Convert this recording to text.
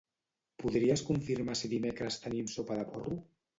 Podries confirmar si dimecres tenim sopa de porro?